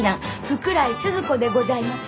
福来スズ子でございます。